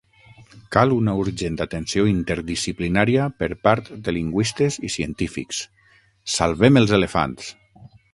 Cal una urgent atenció interdisciplinària per part de lingüistes i científics. Salvem els elefants!